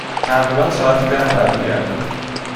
تقریبا ساعت ده برمی گردم.